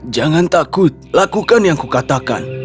jangan takut lakukan yang kukatakan